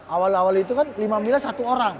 awal awal itu kan lima miliar satu orang